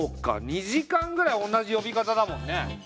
２時間ぐらい同じ呼び方だもんね。